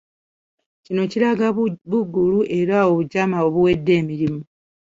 Kino kiraga buggulu era obujama obuwedde emirimu.